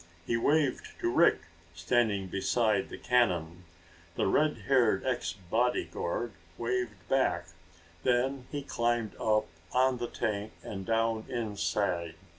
He waved to Rick, standing beside the cannon. The redhaired ex bodyguard waved back. Then he climbed up on the tank and down inside.